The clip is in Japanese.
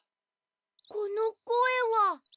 このこえは？